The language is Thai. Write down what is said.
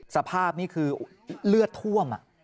สภาพนี่คือเลือดท่วม